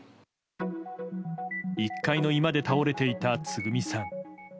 １階の居間で倒れていたつぐみさん。